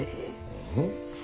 うん？